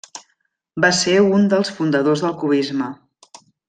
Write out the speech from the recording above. Va ser un dels fundadors del cubisme.